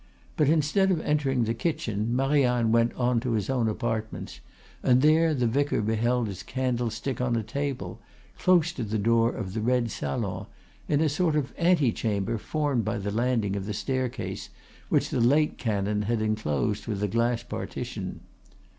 But instead of entering the kitchen Marianne went on to his own apartments, and there the vicar beheld his candlestick on a table close to the door of the red salon, in a sort of antechamber formed by the landing of the staircase, which the late canon had inclosed with a glass partition.